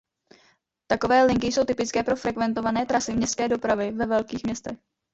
Takové linky jsou typické pro frekventované trasy městské dopravy ve velkých městech.